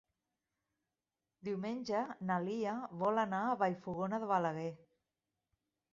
Diumenge na Lia vol anar a Vallfogona de Balaguer.